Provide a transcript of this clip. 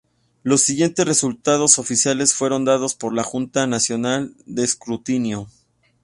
Los siguientes resultados oficiales fueron dados por la Junta Nacional de Escrutinio.